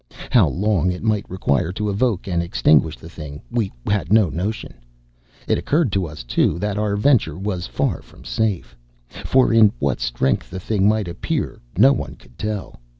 How long it might require to evoke and extinguish the thing, we had no notion. It occurred to us, too, that our venture was far from safe; for in what strength the thing might appear no one could tell.